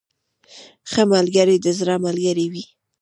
• ښه ملګری د زړه ملګری وي.